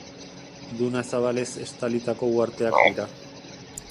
Duna zabalez estalitako uharteak dira.